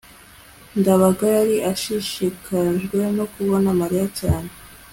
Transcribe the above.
ndabaga yari ashishikajwe no kubona mariya cyane